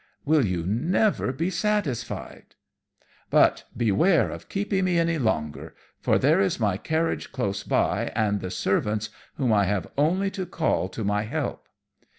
"Will you never be satisfied? But beware of keeping me any longer, for there is my carriage close by, and the servants, whom I have only to call to my help."